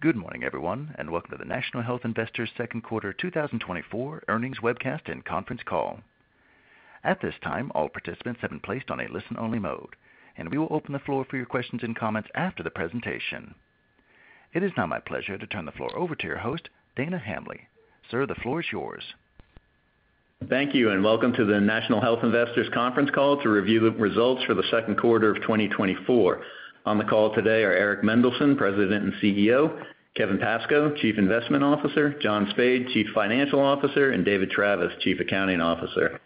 Good morning, everyone, and welcome to the National Health Investors second quarter 2024 earnings webcast and conference call. At this time, all participants have been placed on a listen-only mode, and we will open the floor for your questions and comments after the presentation. It is now my pleasure to turn the floor over to your host, Dana Hambly. Sir, the floor is yours. Thank you, and welcome to the National Health Investors conference call to review the results for the second quarter of 2024. On the call today are Eric Mendelsohn, President and CEO; Kevin Pascoe, Chief Investment Officer; John Spaid, Chief Financial Officer; and David Travis, Chief Accounting Officer.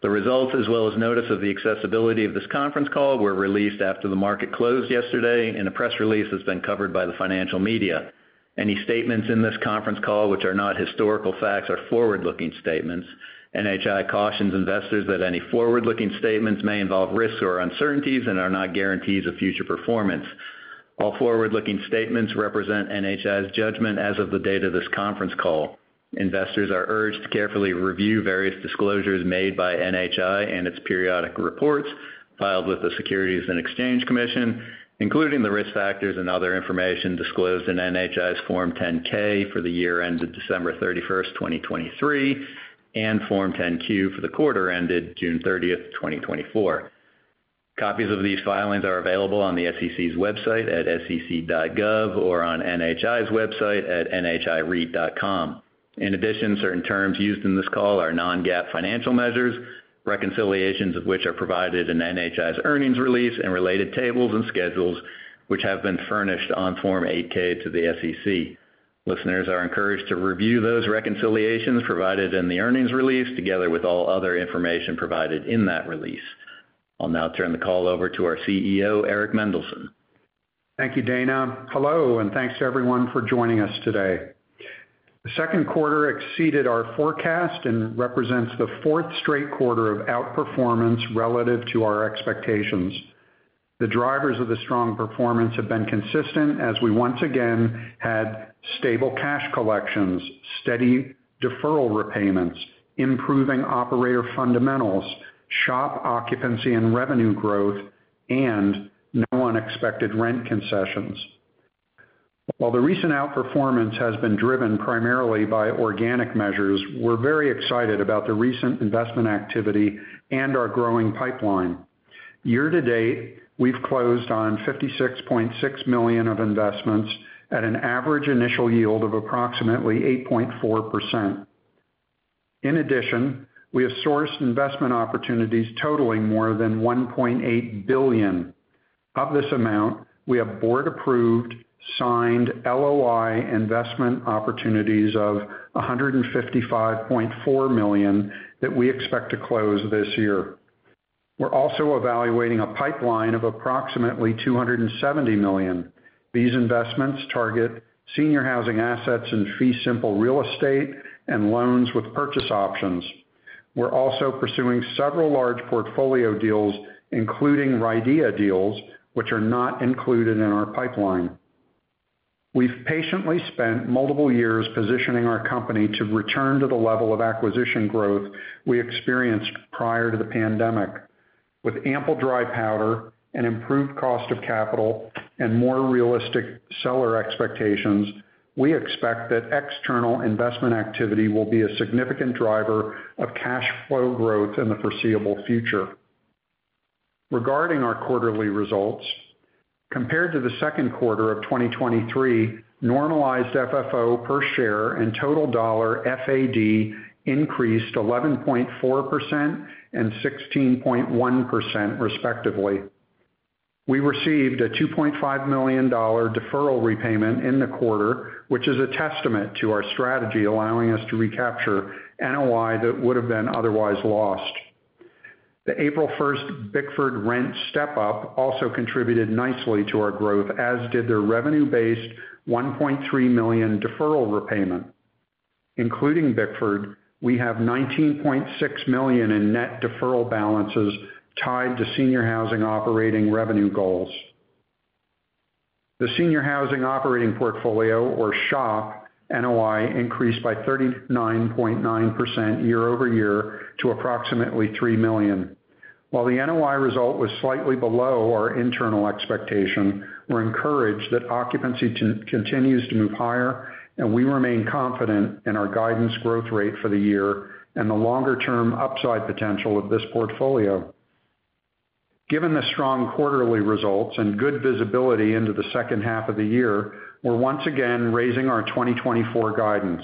The results, as well as notice of the accessibility of this conference call, were released after the market closed yesterday in a press release that's been covered by the financial media. Any statements in this conference call, which are not historical facts, are forward-looking statements. NHI cautions investors that any forward-looking statements may involve risks or uncertainties and are not guarantees of future performance. All forward-looking statements represent NHI's judgment as of the date of this conference call. Investors are urged to carefully review various disclosures made by NHI and its periodic reports filed with the Securities and Exchange Commission, including the risk factors and other information disclosed in NHI's Form 10-K for the year ended December 31, 2023, and Form 10-Q for the quarter ended June 30, 2024. Copies of these filings are available on the SEC's website at sec.gov or on NHI's website at nhireit.com. In addition, certain terms used in this call are non-GAAP financial measures, reconciliations of which are provided in NHI's earnings release and related tables and schedules, which have been furnished on Form 8-K to the SEC. Listeners are encouraged to review those reconciliations provided in the earnings release, together with all other information provided in that release. I'll now turn the call over to our CEO, Eric Mendelsohn. Thank you, Dana. Hello, and thanks to everyone for joining us today. The second quarter exceeded our forecast and represents the fourth straight quarter of outperformance relative to our expectations. The drivers of the strong performance have been consistent, as we once again had stable cash collections, steady deferral repayments, improving operator fundamentals, SHOP occupancy and revenue growth, and no unexpected rent concessions. While the recent outperformance has been driven primarily by organic measures, we're very excited about the recent investment activity and our growing pipeline. Year to date, we've closed on $56.6 million of investments at an average initial yield of approximately 8.4%. In addition, we have sourced investment opportunities totaling more than $1.8 billion. Of this amount, we have board-approved, signed LOI investment opportunities of $155.4 million that we expect to close this year. We're also evaluating a pipeline of approximately $270 million. These investments target senior housing assets and fee-simple real estate and loans with purchase options. We're also pursuing several large portfolio deals, including RIDEA deals, which are not included in our pipeline. We've patiently spent multiple years positioning our company to return to the level of acquisition growth we experienced prior to the pandemic. With ample dry powder and improved cost of capital and more realistic seller expectations, we expect that external investment activity will be a significant driver of cash flow growth in the foreseeable future. Regarding our quarterly results, compared to the second quarter of 2023, normalized FFO per share and total dollar FAD increased 11.4% and 16.1%, respectively. We received a $2.5 million deferral repayment in the quarter, which is a testament to our strategy, allowing us to recapture NOI that would have been otherwise lost. The April 1 Bickford rent step-up also contributed nicely to our growth, as did their revenue-based $1.3 million deferral repayment. Including Bickford, we have $19.6 million in net deferral balances tied to senior housing operating revenue goals. The senior housing operating portfolio, or SHOP, NOI increased by 39.9% year-over-year to approximately $3 million. While the NOI result was slightly below our internal expectation, we're encouraged that occupancy continues to move higher, and we remain confident in our guidance growth rate for the year and the longer-term upside potential of this portfolio. Given the strong quarterly results and good visibility into the second half of the year, we're once again raising our 2024 guidance.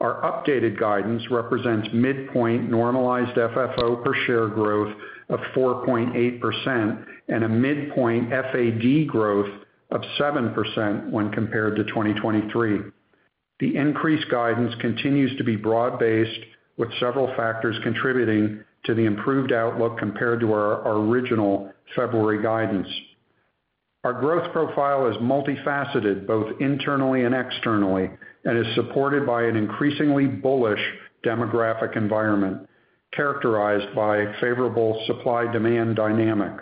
Our updated guidance represents midpoint normalized FFO per share growth of 4.8% and a midpoint FAD growth of 7% when compared to 2023. The increased guidance continues to be broad-based, with several factors contributing to the improved outlook compared to our original February guidance. Our growth profile is multifaceted, both internally and externally, and is supported by an increasingly bullish demographic environment characterized by favorable supply-demand dynamic.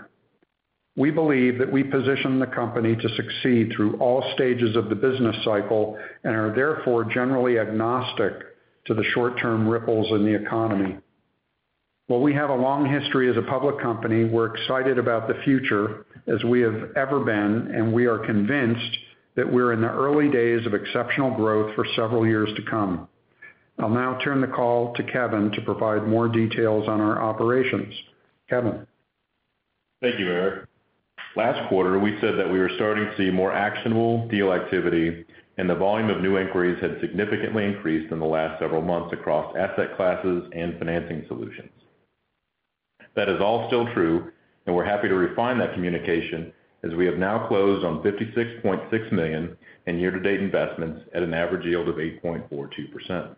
We believe that we position the company to succeed through all stages of the business cycle and are therefore generally agnostic to the short-term ripples in the economy.... Well, we have a long history as a public company. We're excited about the future as we have ever been, and we are convinced that we're in the early days of exceptional growth for several years to come. I'll now turn the call to Kevin to provide more details on our operations. Kevin? Thank you, Eric. Last quarter, we said that we were starting to see more actionable deal activity, and the volume of new inquiries had significantly increased in the last several months across asset classes and financing solutions. That is all still true, and we're happy to refine that communication as we have now closed on $56.6 million in year-to-date investments at an average yield of 8.42%.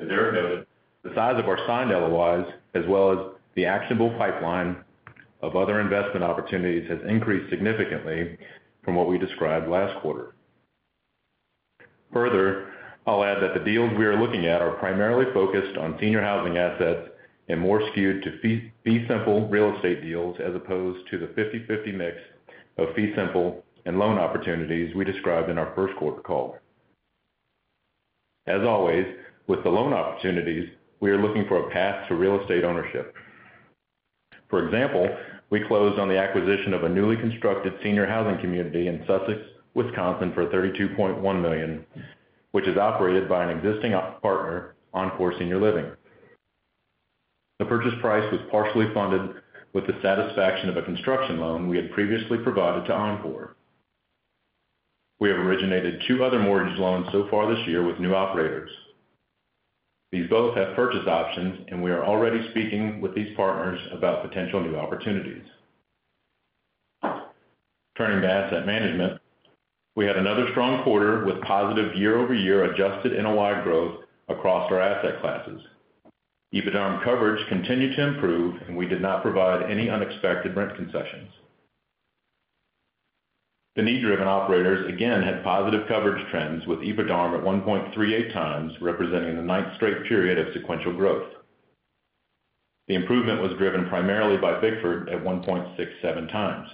As Eric noted, the size of our signed LOIs, as well as the actionable pipeline of other investment opportunities, has increased significantly from what we described last quarter. Further, I'll add that the deals we are looking at are primarily focused on senior housing assets and more skewed to fee- fee-simple real estate deals, as opposed to the 50/50 mix of fee simple and loan opportunities we described in our first quarter call. As always, with the loan opportunities, we are looking for a path to real estate ownership. For example, we closed on the acquisition of a newly constructed senior housing community in Sussex, Wisconsin, for $32.1 million, which is operated by an existing partner, Encore Senior Living. The purchase price was partially funded with the satisfaction of a construction loan we had previously provided to Encore. We have originated two other mortgage loans so far this year with new operators. These both have purchase options, and we are already speaking with these partners about potential new opportunities. Turning to asset management, we had another strong quarter with positive year-over-year adjusted NOI growth across our asset classes. EBITDARM coverage continued to improve, and we did not provide any unexpected rent concessions. The need-driven operators again had positive coverage trends, with EBITDARM at 1.38x, representing the ninth straight period of sequential growth. The improvement was driven primarily by Bickford at 1.67x.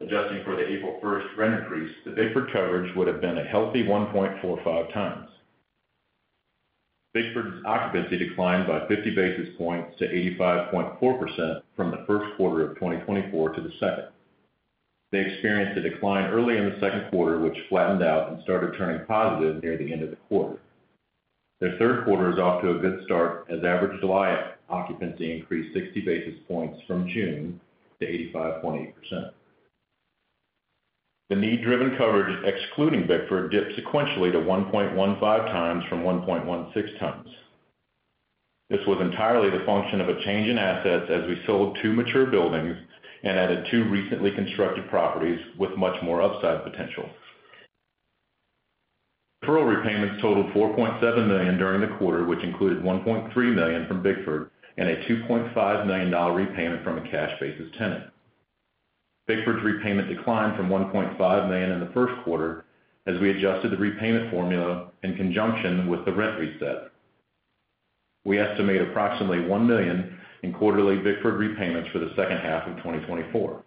Adjusting for the April 1 rent increase, the Bickford coverage would have been a healthy 1.45x. Bickford's occupancy declined by 50 basis points to 85.4% from the first quarter of 2024 to the second. They experienced a decline early in the second quarter, which flattened out and started turning positive near the end of the quarter. Their third quarter is off to a good start, as average July occupancy increased 60 basis points from June to 85.8%. The need-driven coverage, excluding Bickford, dipped sequentially to 1.15x from 1.16x. This was entirely the function of a change in assets as we sold two mature buildings and added two recently constructed properties with much more upside potential. Deferral repayments totaled $4.7 million during the quarter, which included $1.3 million from Bickford and a $2.5 million repayment from a cash-basis tenant. Bickford's repayment declined from $1.5 million in the first quarter as we adjusted the repayment formula in conjunction with the rent reset. We estimate approximately $1 million in quarterly Bickford repayments for the second half of 2024.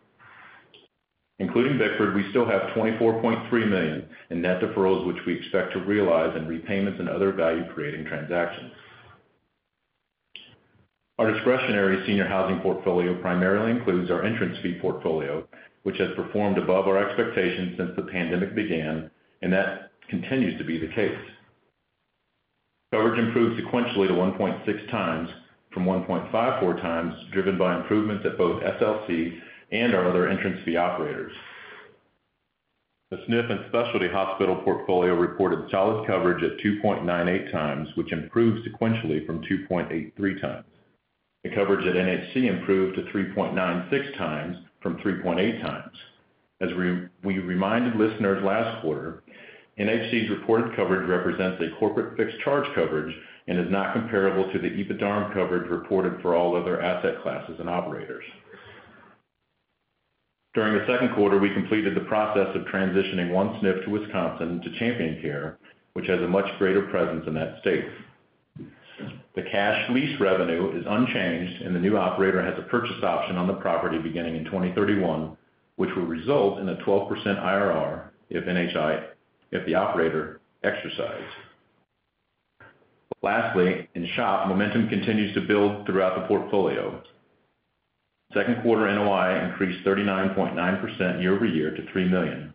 Including Bickford, we still have $24.3 million in net deferrals, which we expect to realize in repayments and other value-creating transactions. Our discretionary senior housing portfolio primarily includes our entrance fee portfolio, which has performed above our expectations since the pandemic began, and that continues to be the case. Coverage improved sequentially to 1.6x from 1.54x, driven by improvements at both SLC and our other entrance fee operators. The SNF and specialty hospital portfolio reported solid coverage at 2.98x, which improved sequentially from 2.83x. The coverage at NHC improved to 3.96x from 3.8x. As we reminded listeners last quarter, NHC's reported coverage represents a corporate fixed charge coverage and is not comparable to the EBITDARM coverage reported for all other asset classes and operators. During the second quarter, we completed the process of transitioning one SNF to Wisconsin to Champion Care, which has a much greater presence in that state. The cash lease revenue is unchanged, and the new operator has a purchase option on the property beginning in 2031, which will result in a 12% IRR if the operator exercised. Lastly, in SHOP, momentum continues to build throughout the portfolio. Second quarter NOI increased 39.9% year-over-year to $3 million.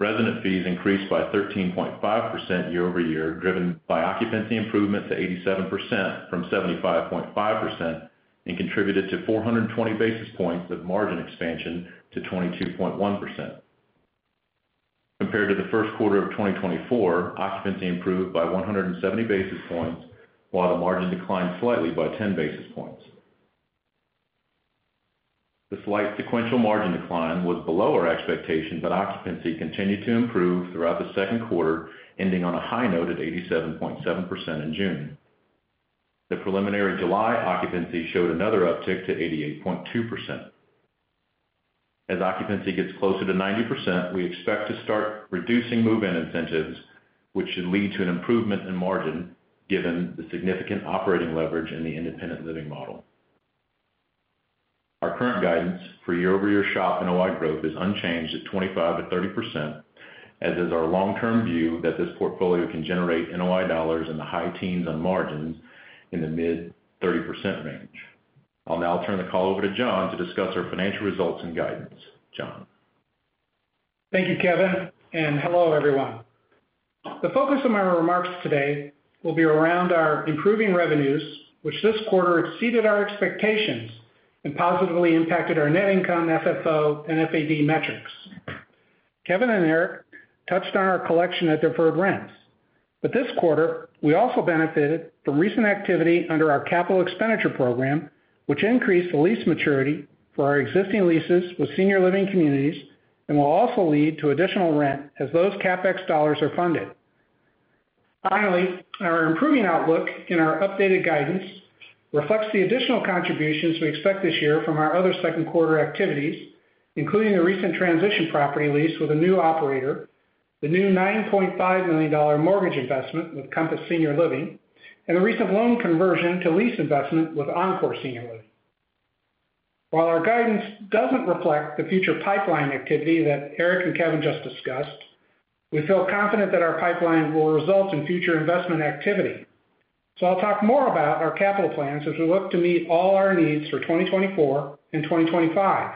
Resident fees increased by 13.5% year-over-year, driven by occupancy improvement to 87% from 75.5%, and contributed to 420 basis points of margin expansion to 22.1%. Compared to the first quarter of 2024, occupancy improved by 170 basis points, while the margin declined slightly by 10 basis points. The slight sequential margin decline was below our expectation, but occupancy continued to improve throughout the second quarter, ending on a high note at 87.7% in June. The preliminary July occupancy showed another uptick to 88.2%. As occupancy gets closer to 90%, we expect to start reducing move-in incentives, which should lead to an improvement in margin, given the significant operating leverage in the independent living model.... Our current guidance for year-over-year SHOP NOI growth is unchanged at 25%-30%, as is our long-term view that this portfolio can generate NOI dollars in the high teens on margins in the mid-30% range. I'll now turn the call over to John to discuss our financial results and guidance. John? Thank you, Kevin, and hello, everyone. The focus of my remarks today will be around our improving revenues, which this quarter exceeded our expectations and positively impacted our net income, FFO, and FAD metrics. Kevin and Eric touched on our collection of deferred rents, but this quarter, we also benefited from recent activity under our capital expenditure program, which increased the lease maturity for our existing leases with senior living communities, and will also lead to additional rent as those CapEx dollars are funded. Finally, our improving outlook in our updated guidance reflects the additional contributions we expect this year from our other second quarter activities, including the recent transition property lease with a new operator, the new $9.5 million mortgage investment with Compass Senior Living, and the recent loan conversion to lease investment with Encore Senior Living. While our guidance doesn't reflect the future pipeline activity that Eric and Kevin just discussed, we feel confident that our pipeline will result in future investment activity. So I'll talk more about our capital plans as we look to meet all our needs for 2024 and 2025.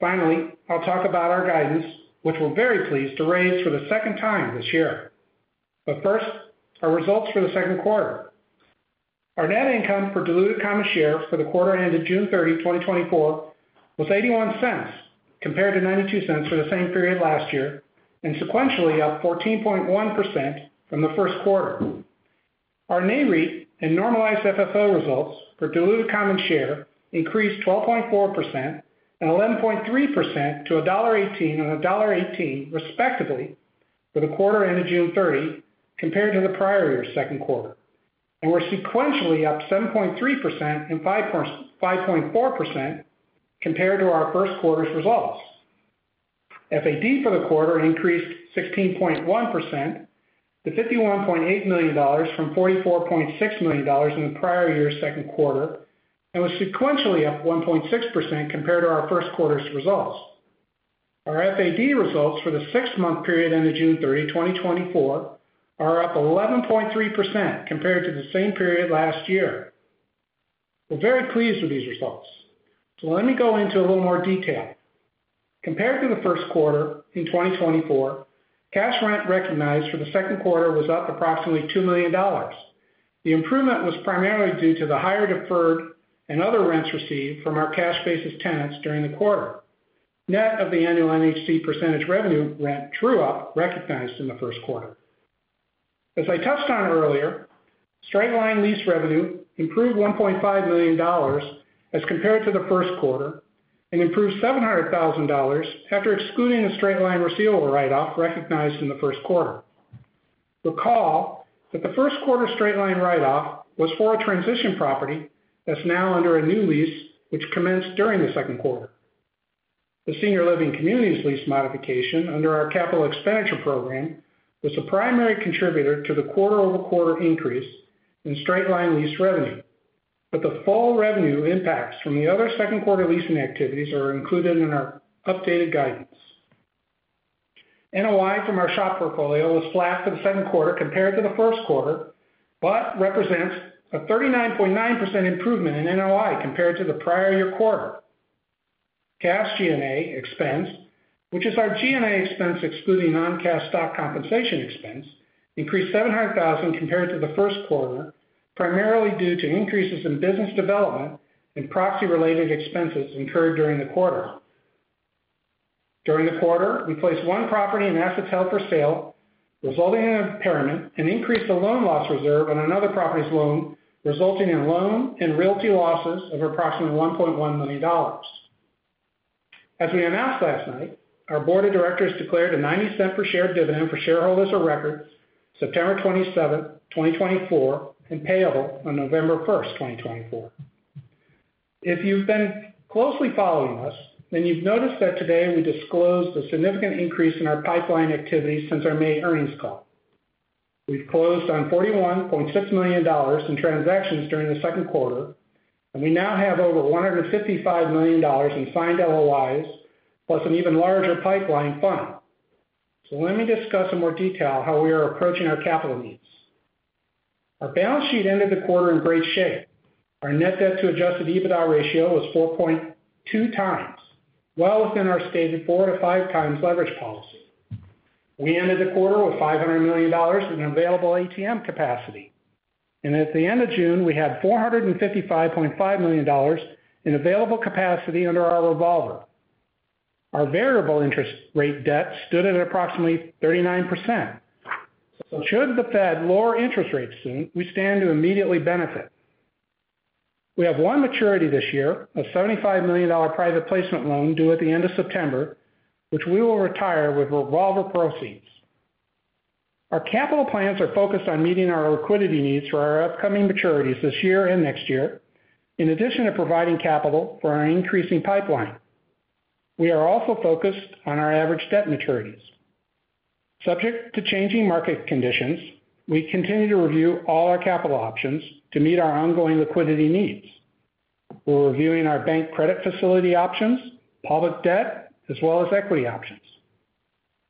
Finally, I'll talk about our guidance, which we're very pleased to raise for the second time this year. But first, our results for the second quarter. Our net income for diluted common share for the quarter ended June 30, 2024, was $0.81, compared to $0.92 for the same period last year, and sequentially up 14.1% from the first quarter. Our NAREIT and normalized FFO results for diluted common share increased 12.4% and 11.3% to $1.18 and $1.18, respectively, for the quarter ending June 30, compared to the prior year's second quarter. And we're sequentially up 7.3% and 5.4% compared to our first quarter's results. FAD for the quarter increased 16.1% to $51.8 million from $44.6 million in the prior year's second quarter, and was sequentially up 1.6% compared to our first quarter's results. Our FAD results for the six-month period ended June 30, 2024, are up 11.3% compared to the same period last year. We're very pleased with these results. So let me go into a little more detail. Compared to the first quarter in 2024, cash rent recognized for the second quarter was up approximately $2 million. The improvement was primarily due to the higher deferred and other rents received from our cash-basis tenants during the quarter. Net of the annual NHC percentage revenue rent true-up recognized in the first quarter. As I touched on earlier, straight-line lease revenue improved $1.5 million as compared to the first quarter, and improved $700,000 after excluding the straight-line receivable write-off recognized in the first quarter. Recall that the first quarter straight-line write-off was for a transition property that's now under a new lease, which commenced during the second quarter. The senior living communities lease modification under our capital expenditure program was a primary contributor to the quarter-over-quarter increase in straight-line lease revenue, but the full revenue impacts from the other second quarter leasing activities are included in our updated guidance. NOI from our SHOP portfolio was flat for the second quarter compared to the first quarter, but represents a 39.9% improvement in NOI compared to the prior year quarter. Cash G&A expense, which is our G&A expense excluding non-cash stock compensation expense, increased $700,000 compared to the first quarter, primarily due to increases in business development and proxy-related expenses incurred during the quarter. During the quarter, we placed one property in assets held for sale, resulting in an impairment, and increased the loan loss reserve on another property's loan, resulting in loan and realty losses of approximately $1.1 million. As we announced last night, our board of directors declared a $0.90 per share dividend for shareholders of record September 27, 2024, and payable on November 1, 2024. If you've been closely following us, then you've noticed that today we disclosed a significant increase in our pipeline activity since our May earnings call. We've closed on $41.6 million in transactions during the second quarter, and we now have over $155 million in signed LOIs, plus an even larger pipeline fund. So let me discuss in more detail how we are approaching our capital needs. Our balance sheet ended the quarter in great shape. Our net debt to adjusted EBITDA ratio was 4.2x, well within our stated 4x-5x leverage policy. We ended the quarter with $500 million in available ATM capacity, and at the end of June, we had $455.5 million in available capacity under our revolver. Our variable interest rate debt stood at approximately 39%. So should the Fed lower interest rates soon, we stand to immediately benefit. We have one maturity this year, a $75 million dollar private placement loan due at the end of September, which we will retire with revolver proceeds. Our capital plans are focused on meeting our liquidity needs for our upcoming maturities this year and next year, in addition to providing capital for our increasing pipeline. We are also focused on our average debt maturities. Subject to changing market conditions, we continue to review all our capital options to meet our ongoing liquidity needs. We're reviewing our bank credit facility options, public debt, as well as equity options.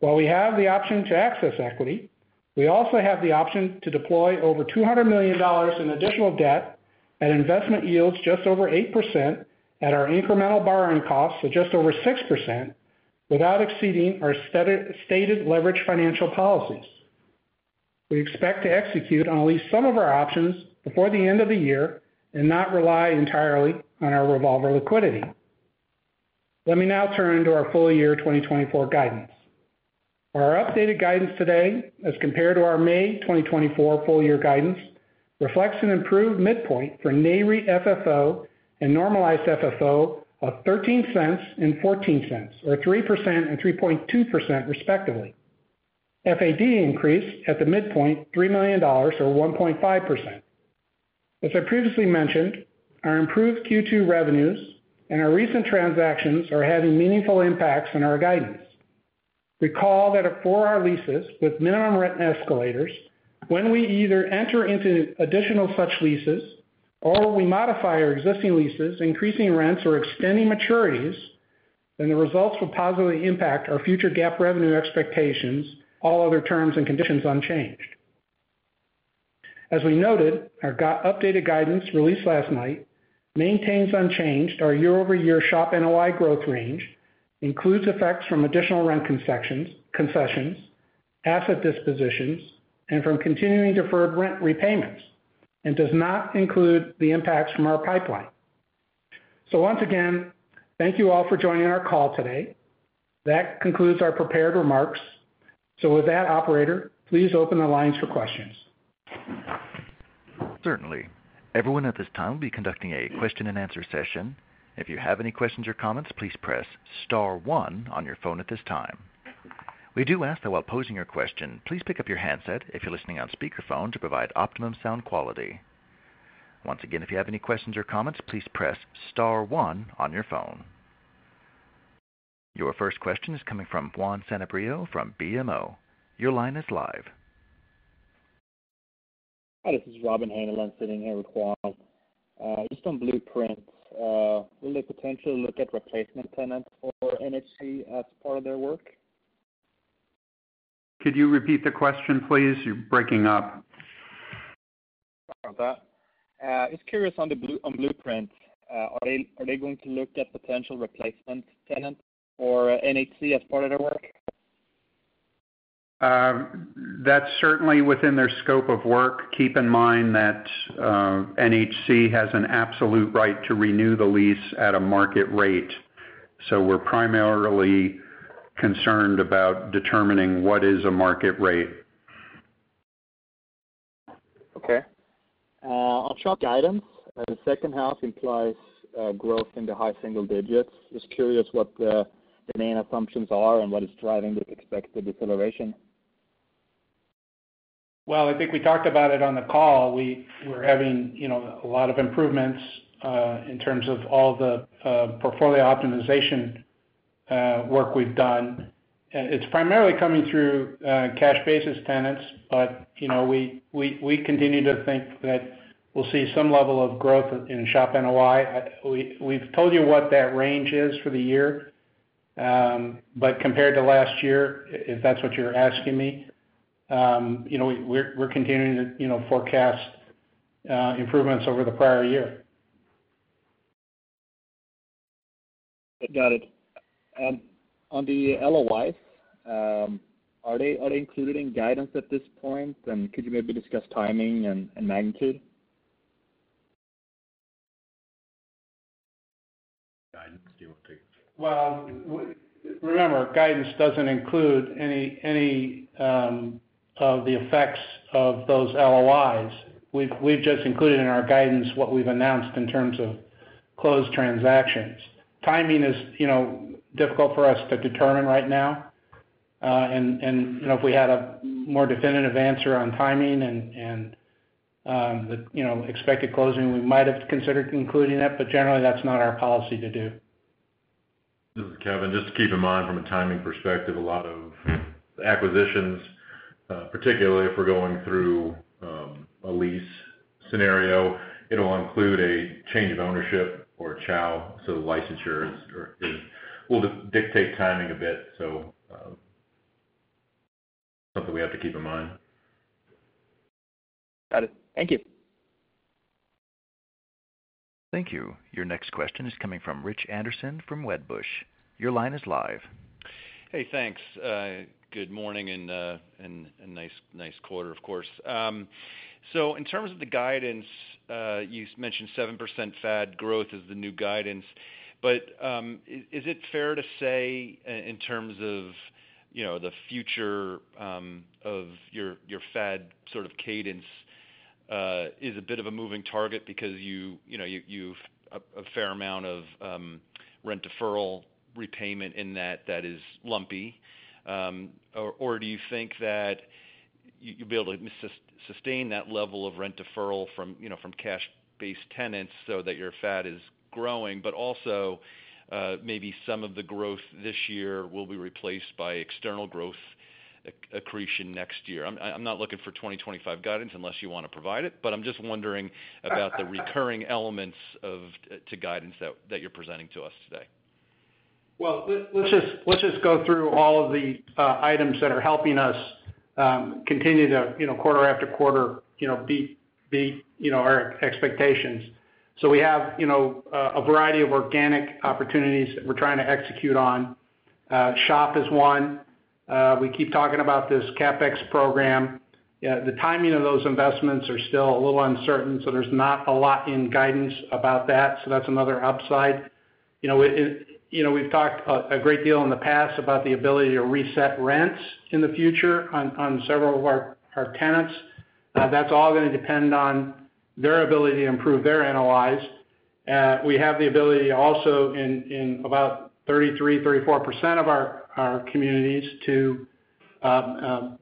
While we have the option to access equity, we also have the option to deploy over $200 million in additional debt at investment yields just over 8% at our incremental borrowing costs of just over 6%, without exceeding our stated leverage financial policies. We expect to execute on at least some of our options before the end of the year and not rely entirely on our revolver liquidity. Let me now turn to our full year 2024 guidance. Our updated guidance today, as compared to our May 2024 full year guidance, reflects an improved midpoint for NAREIT FFO and normalized FFO of $0.13 and $0.14, or 3% and 3.2%, respectively. FAD increased at the midpoint, $3 million, or 1.5%. As I previously mentioned, our improved Q2 revenues and our recent transactions are having meaningful impacts on our guidance. Recall that for our leases with minimum rent escalators, when we either enter into additional such leases or we modify our existing leases, increasing rents or extending maturities, then the results will positively impact our future GAAP revenue expectations, all other terms and conditions unchanged. As we noted, our updated guidance, released last night, maintains unchanged our year-over-year SHOP NOI growth range, includes effects from additional rent concessions, asset dispositions, and from continuing deferred rent repayments, and does not include the impacts from our pipeline. So once again, thank you all for joining our call today. That concludes our prepared remarks. So with that, operator, please open the lines for questions. Certainly. Everyone at this time, we'll be conducting a question-and-answer session. If you have any questions or comments, please press star one on your phone at this time. We do ask that while posing your question, please pick up your handset if you're listening on speakerphone to provide optimum sound quality. Once again, if you have any questions or comments, please press star one on your phone. Your first question is coming from Juan Sanabria from BMO. Your line is live. Hi, this is Robin Haneland sitting here with Juan. Just on Blueprint, will they potentially look at replacement tenants for NHC as part of their work? Could you repeat the question, please? You're breaking up. Sorry about that. Just curious on the Blueprint, are they going to look at potential replacement tenants for NHC as part of their work? That's certainly within their scope of work. Keep in mind that, NHC has an absolute right to renew the lease at a market rate. So we're primarily concerned about determining what is a market rate. Okay. On SHOP guidance, the second half implies growth in the high single digits. Just curious what the main assumptions are and what is driving this expected deceleration. Well, I think we talked about it on the call. We're having, you know, a lot of improvements in terms of all the portfolio optimization work we've done. It's primarily coming through cash basis tenants. You know, we continue to think that we'll see some level of growth in SHOP NOI. We've told you what that range is for the year. But compared to last year, if that's what you're asking me, you know, we're continuing to, you know, forecast improvements over the prior year. Got it. On the LOI, are they, are they included in guidance at this point? And could you maybe discuss timing and magnitude? Guidance, do you want to take it? Well, remember, guidance doesn't include any the effects of those LOIs. We've just included in our guidance what we've announced in terms of closed transactions. Timing is, you know, difficult for us to determine right now. And, you know, if we had a more definitive answer on timing and you know, expected closing, we might have considered including that, but generally, that's not our policy to do. This is Kevin. Just to keep in mind from a timing perspective, a lot of acquisitions, particularly if we're going through a lease scenario, it'll include a change of ownership or CHOW, so licensures, or will dictate timing a bit. So, something we have to keep in mind. Got it. Thank you. Thank you. Your next question is coming from Rich Anderson from Wedbush. Your line is live. Hey, thanks. Good morning and nice quarter, of course. So in terms of the guidance, you mentioned 7% FAD growth is the new guidance. But is it fair to say in terms of, you know, the future of your FAD sort of cadence is a bit of a moving target because you know, you have a fair amount of rent deferral repayment in that that is lumpy? Or do you think that you will be able to sustain that level of rent deferral from, you know, from cash-based tenants so that your FAD is growing, but also maybe some of the growth this year will be replaced by external growth accretion next year. I'm not looking for 2025 guidance unless you want to provide it, but I'm just wondering about the recurring elements of the guidance that you're presenting to us today. Well, let's just go through all of the items that are helping us continue to, you know, quarter after quarter, you know, beat our expectations. So we have, you know, a variety of organic opportunities that we're trying to execute on. SHOP is one. We keep talking about this CapEx program. The timing of those investments are still a little uncertain, so there's not a lot in guidance about that, so that's another upside. You know, it, you know, we've talked a great deal in the past about the ability to reset rents in the future on several of our tenants. That's all going to depend on their ability to improve their NOIs. We have the ability also in, in about 33%-34% of our, our communities to,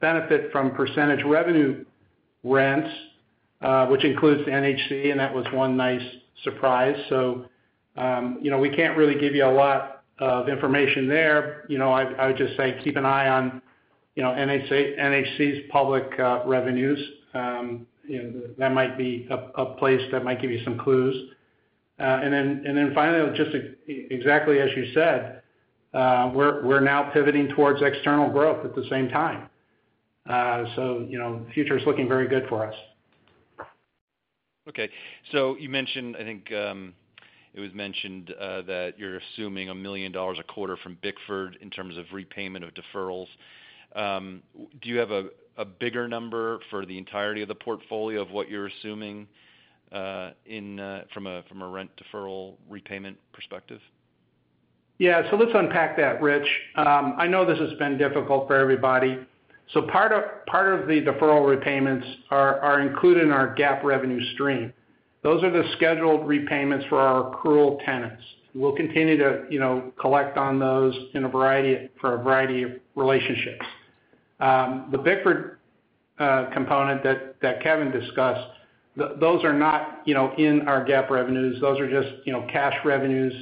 benefit from percentage revenue rents, which includes NHC, and that was one nice surprise. So, you know, we can't really give you a lot of information there. You know, I, I would just say keep an eye on, you know, NHC, NHC's public, revenues. You know, that might be a, a place that might give you some clues. And then, and then finally, just exactly as you said, we're, we're now pivoting towards external growth at the same time. So, you know, the future is looking very good for us. Okay. So you mentioned, I think, it was mentioned, that you're assuming $1 million a quarter from Bickford in terms of repayment of deferrals. Do you have a bigger number for the entirety of the portfolio of what you're assuming, in from a rent deferral repayment perspective? Yeah, so let's unpack that, Rich. I know this has been difficult for everybody. So part of the deferral repayments are included in our GAAP revenue stream. Those are the scheduled repayments for our accrual tenants. We'll continue to, you know, collect on those in a variety of relationships. The Bickford component that Kevin discussed, those are not, you know, in our GAAP revenues. Those are just, you know, cash revenues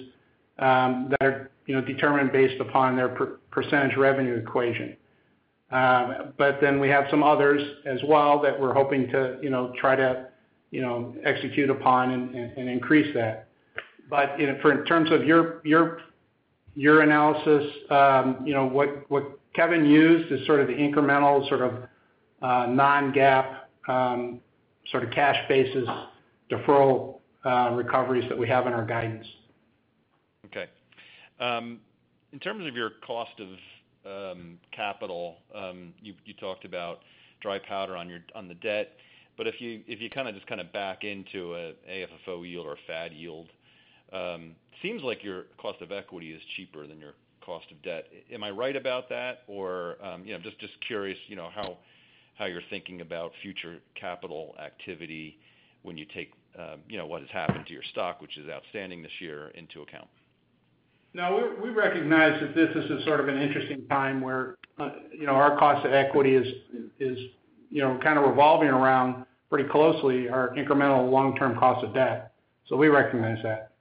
that are, you know, determined based upon their percentage revenue equation. But then we have some others as well that we're hoping to, you know, try to, you know, execute upon and increase that. You know, for in terms of your analysis, you know, what Kevin used is sort of the incremental, sort of, non-GAAP, sort of, cash basis deferral recoveries that we have in our guidance. Okay. In terms of your cost of capital, you talked about dry powder on your- on the debt. But if you kind of just kind of back into a AFFO yield or a FAD yield, seems like your cost of equity is cheaper than your cost of debt. Am I right about that? Or, you know, I'm just curious, you know, how you're thinking about future capital activity when you take, you know, what has happened to your stock, which is outstanding this year, into account. No, we recognize that this is a sort of an interesting time where, you know, our cost of equity is, you know, kind of revolving around pretty closely our incremental long-term cost of debt. So we recognize that.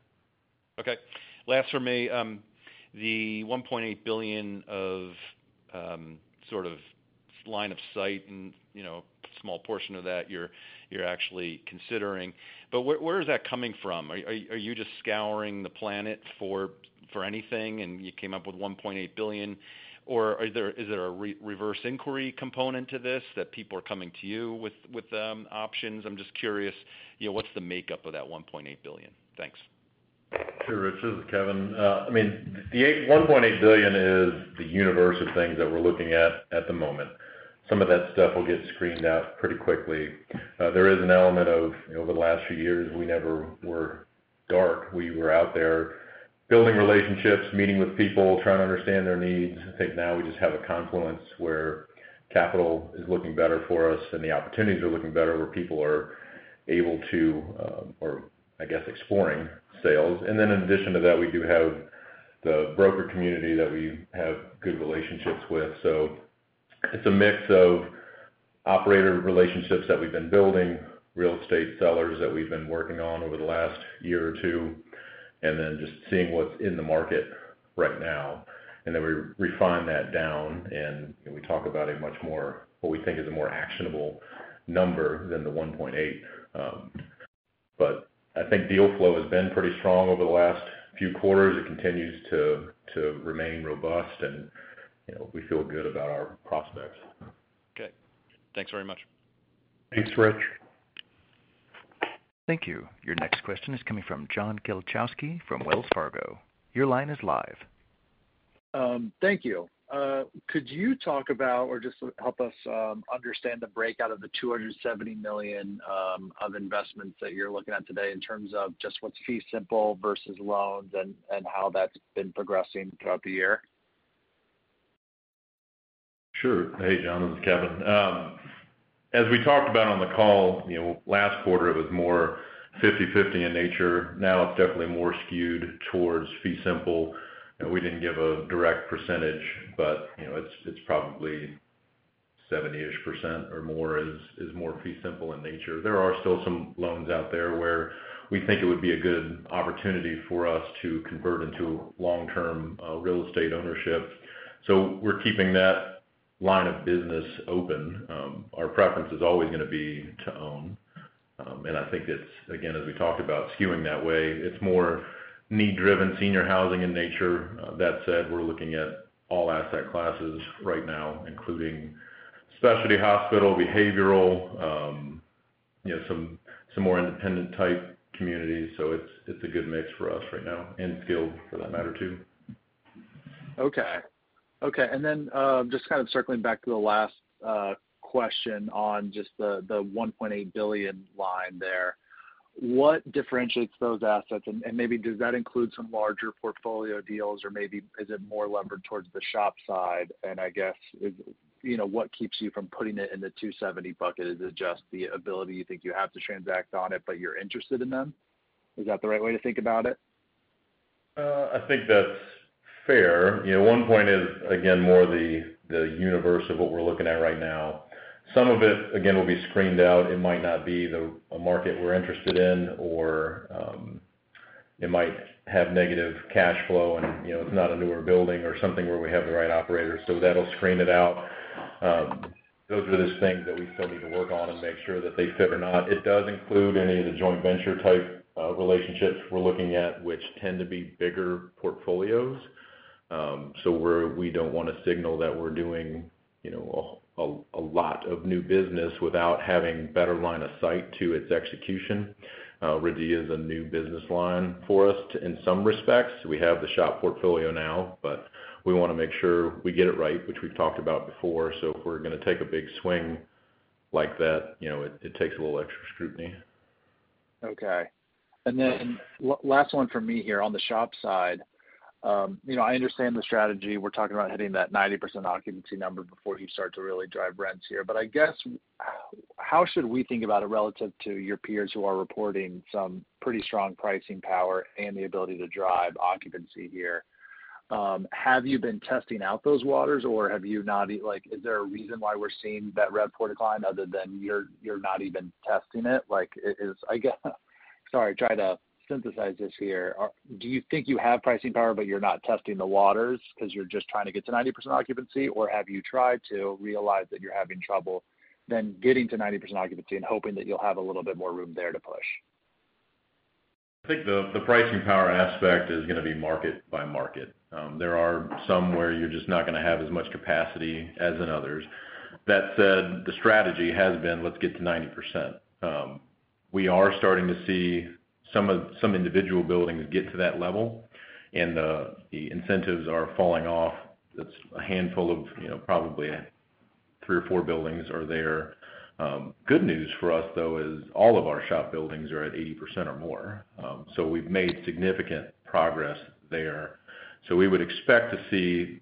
Okay. Last for me. The $1.8 billion of, sort of, line of sight and, you know, small portion of that you're actually considering, but where is that coming from? Are you just scouring the planet for anything, and you came up with $1.8 billion? Or is there a reverse inquiry component to this, that people are coming to you with options? I'm just curious, you know, what's the makeup of that $1.8 billion? Thanks. Sure, Rich. This is Kevin. I mean, the $1.8 billion is the universe of things that we're looking at at the moment. Some of that stuff will get screened out pretty quickly. There is an element of, over the last few years, we never were dark. We were out there building relationships, meeting with people, trying to understand their needs. I think now we just have a confluence where capital is looking better for us and the opportunities are looking better, where people are able to, or I guess, exploring sales. And then in addition to that, we do have the broker community that we have good relationships with. So it's a mix of operator relationships that we've been building, real estate sellers that we've been working on over the last year or two, and then just seeing what's in the market right now. And then we refine that down, and, you know, we talk about a much more, what we think is a more actionable number than the 1.8. But I think deal flow has been pretty strong over the last few quarters. It continues to remain robust, and, you know, we feel good about our prospects. Okay. Thanks very much. Thanks, Rich. Thank you. Your next question is coming from John Kilchowski from Wells Fargo. Your line is live. Thank you. Could you talk about, or just help us understand the breakdown of the $270 million of investments that you're looking at today in terms of just what's fee simple versus loans, and how that's been progressing throughout the year? Sure. Hey, John, this is Kevin. As we talked about on the call, you know, last quarter, it was more 50/50 in nature. Now, it's definitely more skewed towards fee simple. No, we didn't give a direct percentage, but, you know, it's, it's probably 70-ish% or more is, is more fee simple in nature. There are still some loans out there where we think it would be a good opportunity for us to convert into long-term, real estate ownership. So we're keeping that line of business open. Our preference is always gonna be to own. And I think it's, again, as we talked about, skewing that way, it's more need-driven senior housing in nature. That said, we're looking at all asset classes right now, including specialty hospital, behavioral, you know, some, some more independent-type communities. It's a good mix for us right now, and skilled for that matter, too. Okay. Okay, and then, just kind of circling back to the last question on just the, the $1.8 billion line there. What differentiates those assets? And, and maybe does that include some larger portfolio deals, or maybe is it more levered towards the SHOP side? And I guess, you know, what keeps you from putting it in the $270 million bucket? Is it just the ability you think you have to transact on it, but you're interested in them? Is that the right way to think about it? I think that's fair. You know, one point is, again, more the universe of what we're looking at right now. Some of it, again, will be screened out. It might not be a market we're interested in, or, it might have negative cash flow, and, you know, it's not a newer building or something where we have the right operator, so that'll screen it out. Those are just things that we still need to work on and make sure that they fit or not. It does include any of the joint venture-type relationships we're looking at, which tend to be bigger portfolios. So, we don't wanna signal that we're doing, you know, a lot of new business without having better line of sight to its execution. RIDEA is a new business line for us. In some respects, we have the SHOP portfolio now, but we wanna make sure we get it right, which we've talked about before. So if we're gonna take a big swing like that, you know, it, it takes a little extra scrutiny. Okay. And then last one for me here. On the SHOP side, you know, I understand the strategy. We're talking about hitting that 90% occupancy number before you start to really drive rents here. But I guess, how should we think about it relative to your peers who are reporting some pretty strong pricing power and the ability to drive occupancy here? Have you been testing out those waters, or have you not, like, is there a reason why we're seeing that RevPAR decline other than you're not even testing it? Like, is... Sorry, trying to synthesize this here. Do you think you have pricing power, but you're not testing the waters because you're just trying to get to 90% occupancy? Or have you tried to realize that you're having trouble, then getting to 90% occupancy and hoping that you'll have a little bit more room there to push? I think the pricing power aspect is gonna be market by market. There are some where you're just not gonna have as much capacity as in others. That said, the strategy has been, let's get to 90%. We are starting to see some individual buildings get to that level, and the incentives are falling off. It's a handful of, you know, probably three or four buildings are there. Good news for us, though, is all of our SHOP buildings are at 80% or more. So we've made significant progress there. So we would expect to see,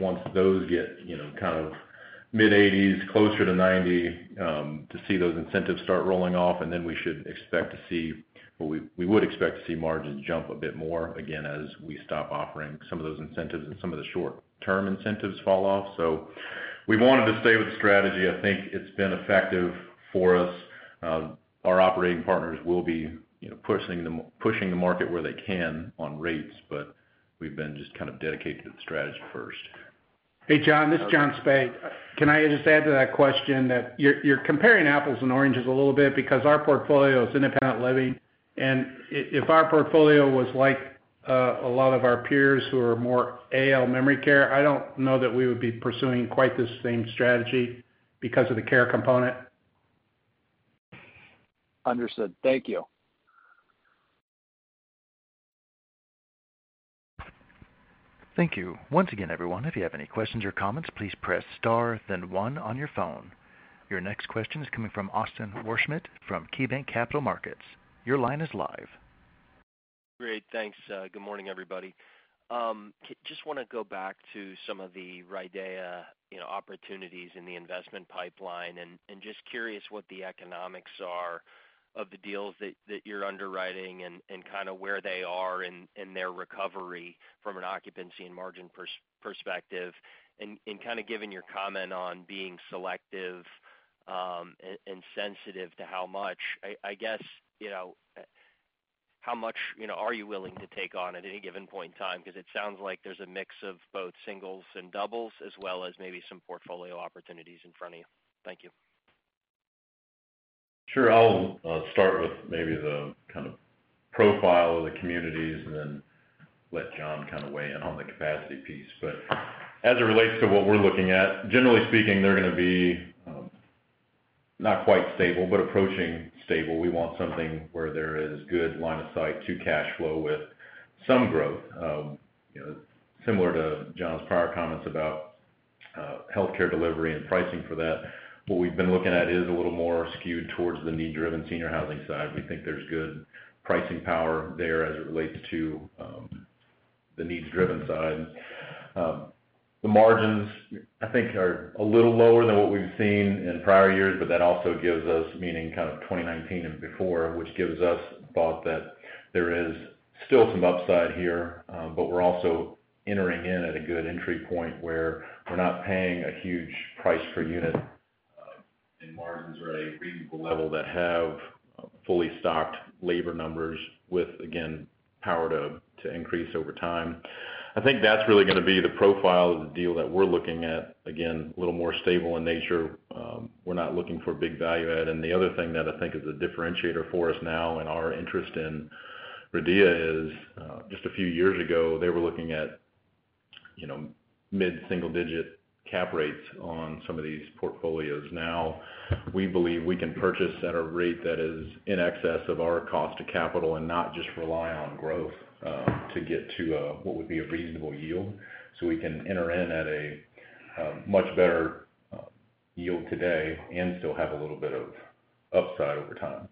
once those get, you know, kind of mid-80s, closer to 90, to see those incentives start rolling off, and then we should expect to see, or we, we would expect to see margins jump a bit more, again, as we stop offering some of those incentives and some of the short-term incentives fall off. So we wanted to stay with the strategy. I think it's been effective for us. Our operating partners will be, you know, pushing the market where they can on rates, but we've been just kind of dedicated to the strategy first. Hey, John, this is John Spaid. Can I just add to that question that you're comparing apples and oranges a little bit because our portfolio is independent living, and if our portfolio was like a lot of our peers who are more AL memory care, I don't know that we would be pursuing quite the same strategy because of the care component. Understood. Thank you. Thank you. Once again, everyone, if you have any questions or comments, please press star then one on your phone. Your next question is coming from Austin Wurschmidt from KeyBanc Capital Markets. Your line is live. Great, thanks. Good morning, everybody. Just wanna go back to some of the RIDEA, you know, opportunities in the investment pipeline, and just curious what the economics are of the deals that you're underwriting, and kind of where they are in their recovery from an occupancy and margin perspective. And kind of given your comment on being selective, and sensitive to how much, I guess, you know, how much are you willing to take on at any given point in time? Because it sounds like there's a mix of both singles and doubles, as well as maybe some portfolio opportunities in front of you. Thank you. Sure. I'll start with maybe the kind of profile of the communities and then let John kind of weigh in on the capacity piece. But as it relates to what we're looking at, generally speaking, they're gonna be not quite stable, but approaching stable. We want something where there is good line of sight to cash flow with some growth. You know, similar to John's prior comments about healthcare delivery and pricing for that, what we've been looking at is a little more skewed towards the need-driven senior housing side. We think there's good pricing power there as it relates to the needs-driven side. The margins, I think, are a little lower than what we've seen in prior years, but that also gives us, meaning kind of 2019 and before, which gives us thought that there is still some upside here. But we're also entering in at a good entry point where we're not paying a huge price per unit, and margins are at a reasonable level that have fully stocked labor numbers with, again, power to increase over time. I think that's really gonna be the profile of the deal that we're looking at. Again, a little more stable in nature. We're not looking for big value add. And the other thing that I think is a differentiator for us now in our interest in RIDEA is, just a few years ago, they were looking at, you know, mid-single digit cap rates on some of these portfolios. Now, we believe we can purchase at a rate that is in excess of our cost to capital and not just rely on growth to get to what would be a reasonable yield. So we can enter in at a much better yield today and still have a little bit of upside over time.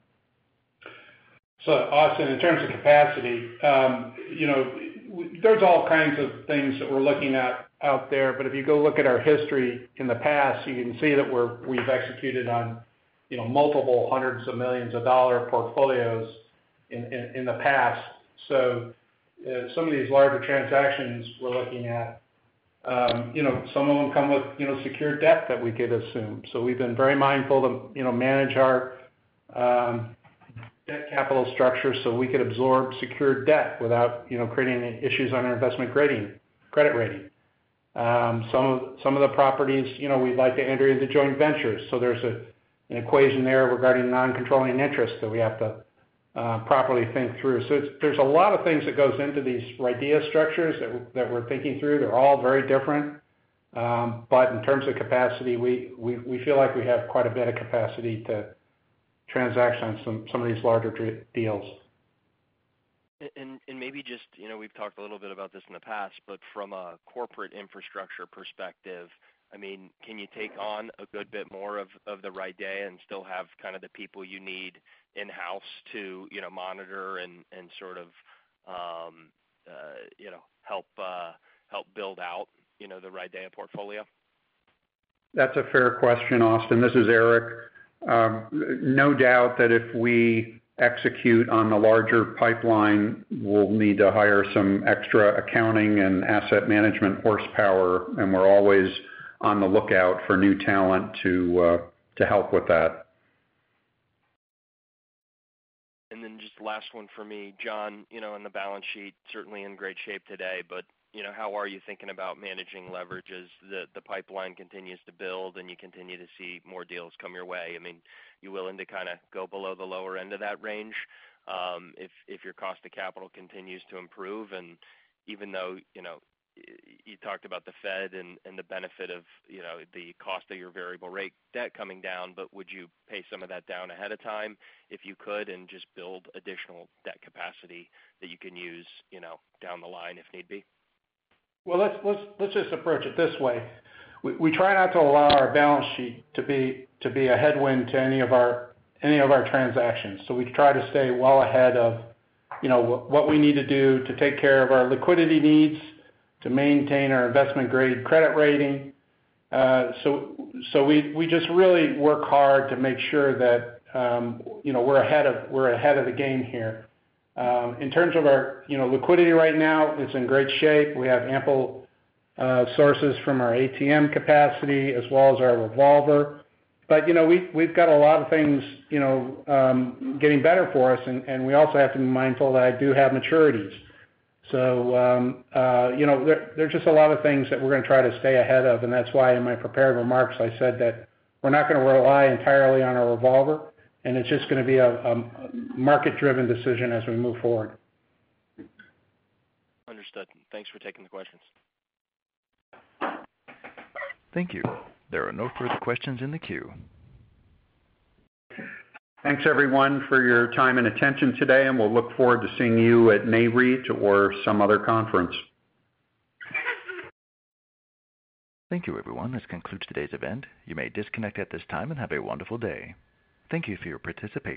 So Austin, in terms of capacity, you know, there's all kinds of things that we're looking at out there, but if you go look at our history in the past, you can see that we've executed on, you know, multiple hundreds of millions of dollars portfolios in the past. So, some of these larger transactions we're looking at, you know, some of them come with, you know, secured debt that we could assume. So we've been very mindful to, you know, manage our debt capital structure so we could absorb secured debt without, you know, creating any issues on our investment-grade credit rating. Some of the properties, you know, we'd like to enter into joint ventures, so there's an equation there regarding non-controlling interest that we have to properly think through. So there's a lot of things that goes into these RIDEA structures that we're thinking through. They're all very different. But in terms of capacity, we feel like we have quite a bit of capacity to transact on some of these larger deals. Maybe just, you know, we've talked a little bit about this in the past, but from a corporate infrastructure perspective, I mean, can you take on a good bit more of the RIDEA and still have kind of the people you need in-house to, you know, monitor and sort of, you know, help build out, you know, the RIDEA portfolio? That's a fair question, Austin. This is Eric. No doubt that if we execute on the larger pipeline, we'll need to hire some extra accounting and asset management horsepower, and we're always on the lookout for new talent to help with that. And then just last one for me. John, you know, on the balance sheet, certainly in great shape today, but, you know, how are you thinking about managing leverage as the pipeline continues to build, and you continue to see more deals come your way? I mean, you willing to kind of go below the lower end of that range, if your cost to capital continues to improve, and even though, you know, you talked about the Fed and the benefit of, you know, the cost of your variable rate debt coming down, but would you pay some of that down ahead of time if you could, and just build additional debt capacity that you can use, you know, down the line if need be? Well, let's just approach it this way. We try not to allow our balance sheet to be a headwind to any of our transactions. So we try to stay well ahead of, you know, what we need to do to take care of our liquidity needs, to maintain our investment-grade credit rating. So we just really work hard to make sure that, you know, we're ahead of the game here. In terms of our, you know, liquidity right now, it's in great shape. We have ample sources from our ATM capacity as well as our revolver. But, you know, we've got a lot of things, you know, getting better for us, and we also have to be mindful that I do have maturities. So, you know, there's just a lot of things that we're gonna try to stay ahead of, and that's why in my prepared remarks, I said that we're not gonna rely entirely on our revolver, and it's just gonna be a market-driven decision as we move forward. Understood. Thanks for taking the questions. Thank you. There are no further questions in the queue. Thanks, everyone, for your time and attention today, and we'll look forward to seeing you at NAREIT or some other conference. Thank you, everyone. This concludes today's event. You may disconnect at this time, and have a wonderful day. Thank you for your participation.